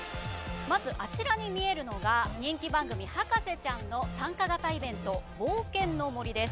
まず、あちらに見えるのが人気番組「博士ちゃん」の参加型イベント冒険の森です。